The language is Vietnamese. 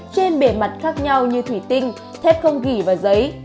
trên bề mặt khác nhau như thủy tinh thép không ghi và giấy